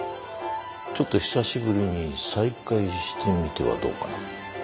ちょっと久しぶりに再会してみてはどうかな。